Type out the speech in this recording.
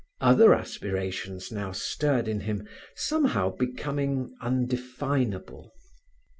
Other aspirations now stirred in him, somehow becoming undefinable.